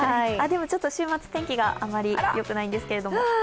でも、週末、天気があまりよくないんですけれども。